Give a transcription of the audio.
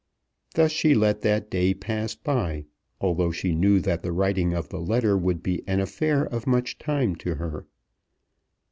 Thus she let that day pass by, although she knew that the writing of the letter would be an affair of much time to her.